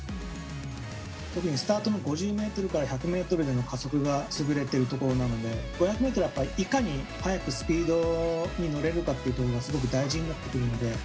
特にスタートの５０メートルから１００メートルでの加速が優れているところなんで、５００メートルはやっぱ、いかに早くスピードに乗れるかっていう部分がすごく大事になってくるので。